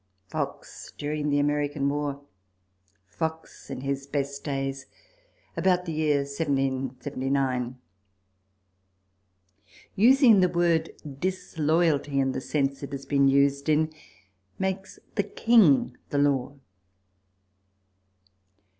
Fox, during the American War Fox in his best days ; about the year 1779. Using the word Disloyalty in the sense it has been used in, makes the King the Law.